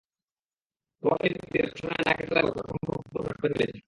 প্রভাবশালী ব্যক্তিরা প্রশাসনের নাকের ডগায় বসে অসংখ্য পুকুর ভরাট করে ফেলেছেন।